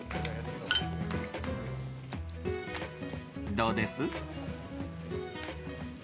どうです？